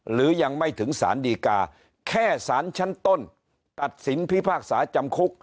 หรือยังไม่ถึงสารดีกาแค่สารชั้นต้นตัดสินพิพากษาจำคุก